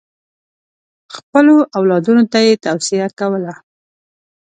خپلو اولادونو ته یې توصیه کوله.